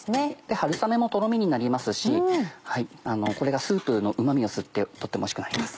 春雨もトロミになりますしこれがスープのうま味を吸ってとってもおいしくなります。